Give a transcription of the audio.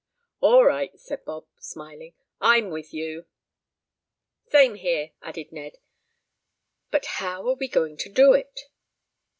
"All right," said Bob, smiling. "I'm with you." "Same here," added Ned. "But how are we going to do it?"